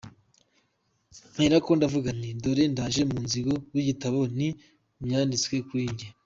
Mperako ndavuga nti “Dore ndaje, Mu muzingo w’igitabo ni ko byanditswe kuri jye.